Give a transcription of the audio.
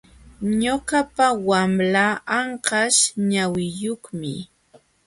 Ñuqapa wamlaa anqaśh ñawiyuqmi.